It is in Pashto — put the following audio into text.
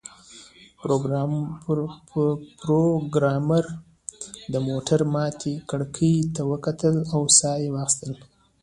پروګرامر د موټر ماتې کړکۍ ته وکتل او ساه یې واخیسته